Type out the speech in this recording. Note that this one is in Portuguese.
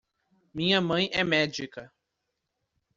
Minha mãe é médica.